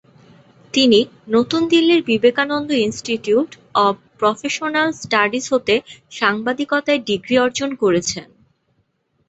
তিনি নতুন দিল্লির Vivekananda institute of professional studies হতে সাংবাদিকতায় ডিগ্রি অর্জন করেছেন।